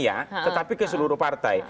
ya tetapi ke seluruh partai